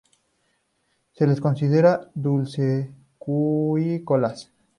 Se les considera dulceacuícolas.